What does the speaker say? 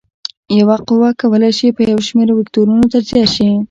یوه قوه کولی شي په یو شمېر وکتورونو تجزیه شي.